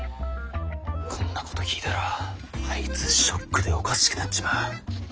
こんなこと聞いたらあいつショックでおかしくなっちまう。